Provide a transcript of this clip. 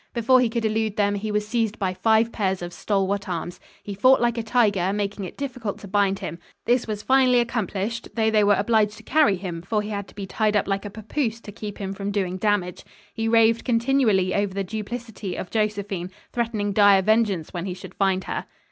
Before he could elude them, he was seized by five pairs of stalwart arms. He fought like a tiger, making it difficult to bind him. This was finally accomplished though they were obliged to carry him, for he had to be tied up like a papoose to keep him from doing damage. He raved continually over the duplicity of Josephine, threatening dire vengeance when he should find her.